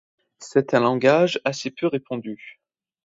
C'est un langage assez peu répandu.